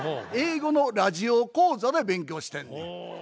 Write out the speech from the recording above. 英語のラジオ講座で勉強してんねん。